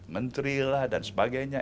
menteri lah dan sebagainya